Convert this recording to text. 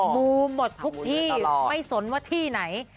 มูหมดทุกที่ไม่สนว่าที่ไหน